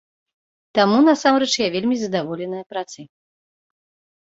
Таму, насамрэч, я вельмі задаволеная працай.